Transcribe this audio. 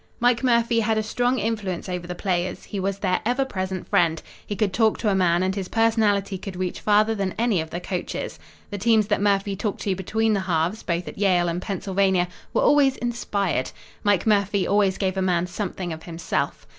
Mike Murphy had a strong influence over the players. He was their ever present friend. He could talk to a man, and his personality could reach farther than any of the coaches. The teams that Murphy talked to between the halves, both at Yale and Pennsylvania, were always inspired. Mike Murphy always gave a man something of himself.